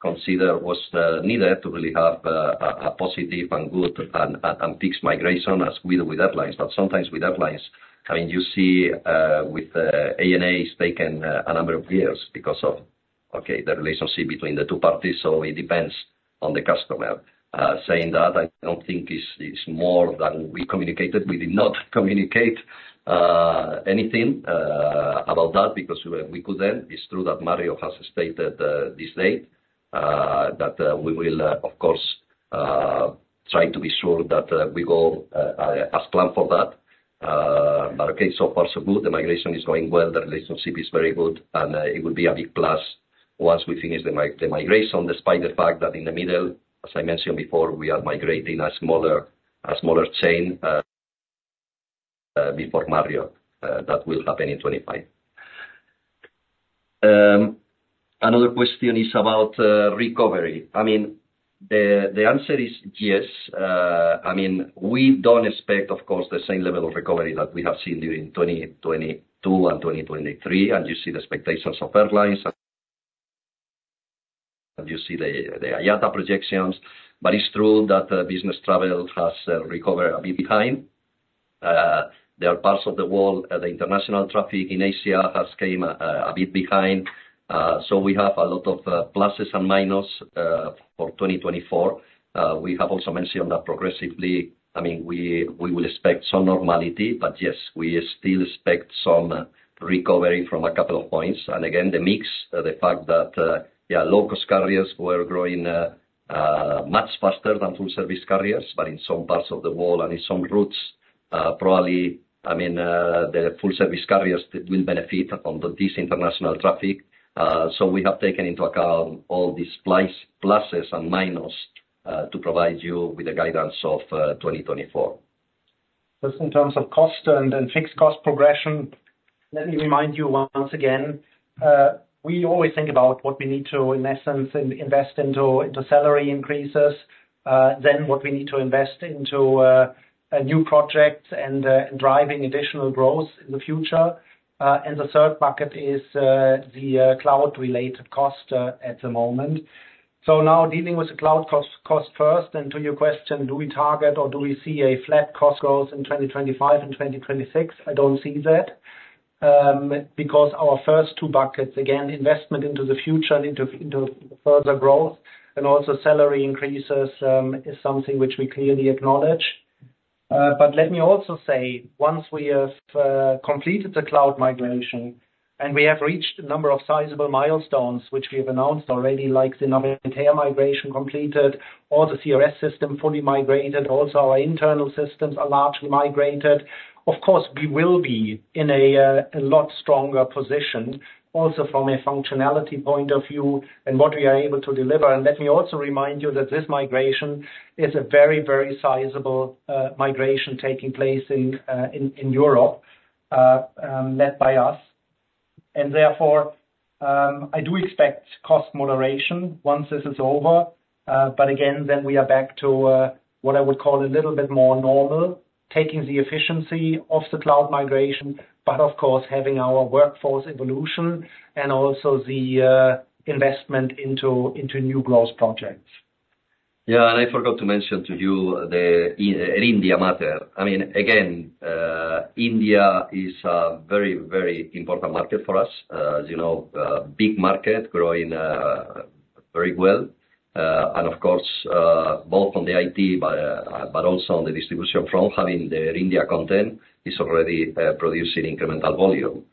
consider was needed to really have a positive and good and fixed migration as we do with airlines. But sometimes with airlines, I mean, you see with ANA has taken a number of years because of, okay, the relationship between the two parties. So it depends on the customer. Saying that, I don't think it's more than we communicated. We did not communicate anything about that because we couldn't. It's true that Marriott has stated this day that we will, of course, try to be sure that we go as planned for that. But okay, so far so good. The migration is going well. The relationship is very good. And it will be a big plus once we finish the migration, despite the fact that in the middle, as I mentioned before, we are migrating a smaller chain before Marriott that will happen in 2025. Another question is about recovery. I mean, the answer is yes. I mean, we don't expect, of course, the same level of recovery that we have seen during 2022 and 2023. And you see the expectations of airlines, and you see the IATA projections. But it's true that business travel has recovered a bit behind. There are parts of the world, the international traffic in Asia has come a bit behind. So we have a lot of pluses and minuses for 2024. We have also mentioned that progressively, I mean, we will expect some normality. But yes, we still expect some recovery from a couple of points. And again, the mix, the fact that, yeah, low-cost carriers were growing much faster than full-service carriers, but in some parts of the world and in some routes, probably, I mean, the full-service carriers will benefit on this international traffic. So we have taken into account all these pluses and minuses to provide you with the guidance of 2024. Just in terms of cost and fixed cost progression, let me remind you once again, we always think about what we need to, in essence, invest into salary increases, then what we need to invest into new projects and driving additional growth in the future. The third market is the cloud-related cost at the moment. Now dealing with the cloud cost first, and to your question, do we target or do we see a flat cost growth in 2025 and 2026? I don't see that because our first two buckets, again, investment into the future and into further growth and also salary increases is something which we clearly acknowledge. But let me also say, once we have completed the cloud migration and we have reached a number of sizable milestones, which we have announced already, like the Navitaire migration completed, all the CRS system fully migrated, also our internal systems are largely migrated, of course, we will be in a lot stronger position also from a functionality point of view and what we are able to deliver. And let me also remind you that this migration is a very, very sizable migration taking place in Europe led by us. And therefore, I do expect cost moderation once this is over. But again, then we are back to what I would call a little bit more normal, taking the efficiency of the cloud migration, but of course, having our workforce evolution and also the investment into new growth projects. Yeah. And I forgot to mention to you the Air India matter. I mean, again, India is a very, very important market for us, as you know, big market growing very well. And of course, both on the IT but also on the distribution front, having the Air India content is already producing incremental volume.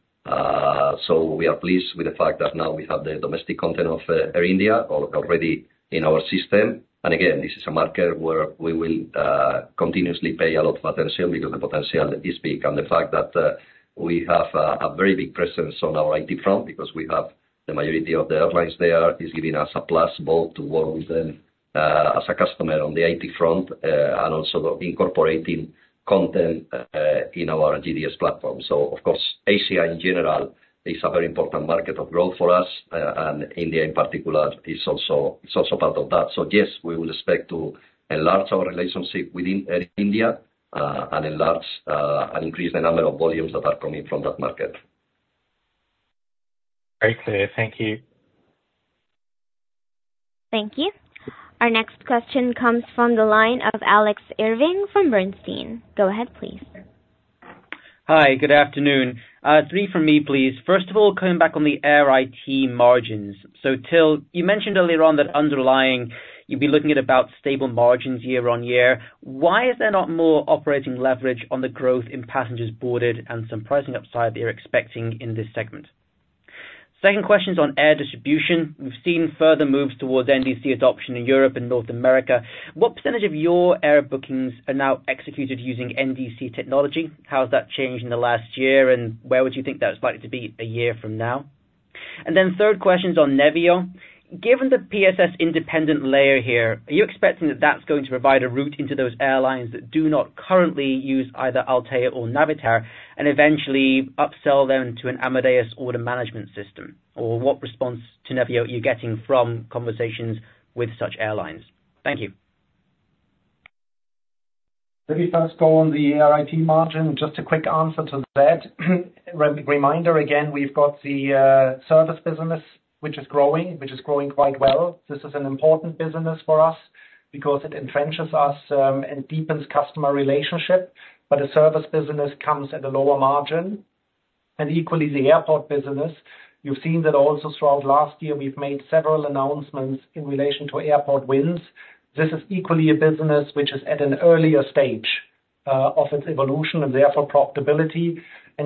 So we are pleased with the fact that now we have the domestic content of Air India already in our system. And again, this is a market where we will continuously pay a lot of attention because the potential is big and the fact that we have a very big presence on our IT front because we have the majority of the airlines there is giving us a plus both to work with them as a customer on the IT front and also incorporating content in our GDS platform. So of course, Asia in general is a very important market of growth for us. And India in particular is also part of that. So yes, we will expect to enlarge our relationship within Air India and enlarge and increase the number of volumes that are coming from that market. Very clear. Thank you. Thank you. Our next question comes from the line of Alex Irving from Bernstein. Go ahead, please. Hi. Good afternoon. Three from me, please. First of all, coming back on the Air IT margins. So Till, you mentioned earlier on that underlying, you'd be looking at about stable margins year-over-year. Why is there not more operating leverage on the growth in passengers boarded and some pricing upside that you're expecting in this segment? Second question is on Air Distribution. We've seen further moves towards NDC adoption in Europe and North America. What percentage of your air bookings are now executed using NDC technology? How has that changed in the last year, and where would you think that's likely to be a year from now? And then third question is on Nevio. Given the PSS independent layer here, are you expecting that that's going to provide a route into those airlines that do not currently use either Altéa or Navitaire and eventually upsell them to an Amadeus order management system? Or what response to Nevio are you getting from conversations with such airlines? Thank you. Let me first go on the Air IT margin. Just a quick answer to that. Reminder again, we've got the service business, which is growing, which is growing quite well. This is an important business for us because it entrenches us and deepens customer relationship. But the service business comes at a lower margin. Equally, the airport business, you've seen that also throughout last year, we've made several announcements in relation to airport wins. This is equally a business which is at an earlier stage of its evolution and therefore profitability.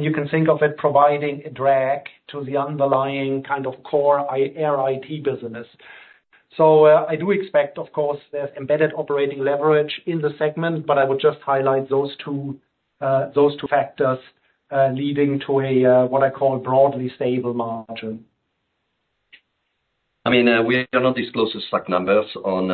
You can think of it providing a drag to the underlying kind of core airline IT business. So I do expect, of course, there's embedded operating leverage in the segment, but I would just highlight those two factors leading to what I call broadly stable margin. I mean, we are not disclosing stark numbers on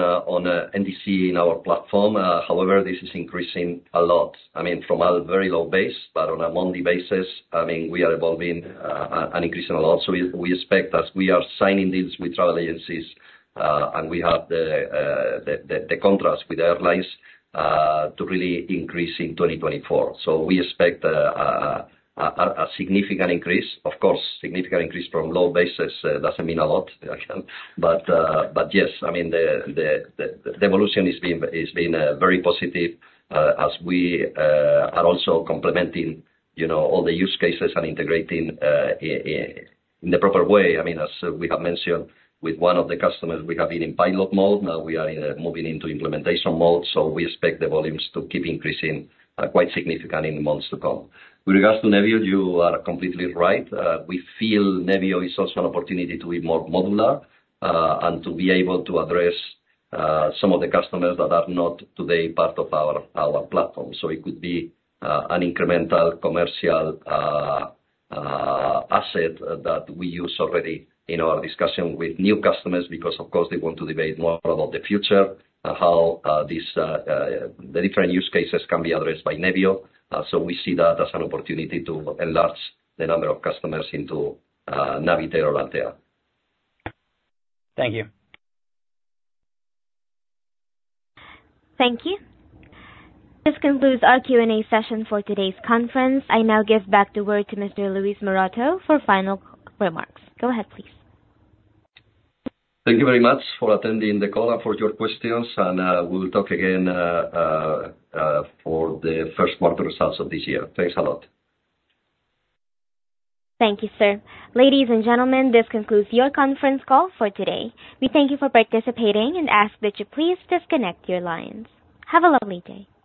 NDC in our platform. However, this is increasing a lot. I mean, from a very low base, but on a monthly basis, I mean, we are evolving and increasing a lot. So we expect as we are signing deals with travel agencies and we have the contracts with airlines to really increase in 2024. So we expect a significant increase. Of course, significant increase from low bases doesn't mean a lot. But yes, I mean, the evolution is being very positive as we are also complementing all the use cases and integrating in the proper way. I mean, as we have mentioned with one of the customers, we have been in pilot mode. Now we are moving into implementation mode. So we expect the volumes to keep increasing quite significant in the months to come. With regards to Nevio, you are completely right. We feel Nevio is also an opportunity to be more modular and to be able to address some of the customers that are not today part of our platform. So it could be an incremental commercial asset that we use already in our discussion with new customers because, of course, they want to debate more about the future and how the different use cases can be addressed by Nevio. So we see that as an opportunity to enlarge the number of customers into Navitaire or Altéa. Thank you. Thank you. This concludes our Q&A session for today's conference. I now give back the word to Mr. Luis Maroto for final remarks. Go ahead, please. Thank you very much for attending the call and for your questions. And we will talk again for the first quarter results of this year. Thanks a lot. Thank you, sir. Ladies and gentlemen, this concludes your conference call for today. We thank you for participating and ask that you please disconnect your lines. Have a lovely day.